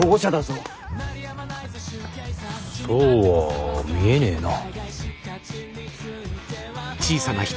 そうは見えねえな。